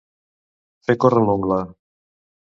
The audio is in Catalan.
Fer córrer l'ungla.